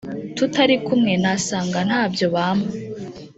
tutari kumwe nasanga ntabyo bampa